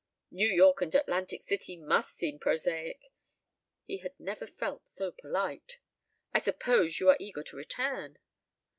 "New York and Atlantic City must seem prosaic." He had never felt so polite. "I suppose you are eager to return?"